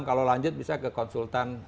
kalau lanjut bisa ke konsultan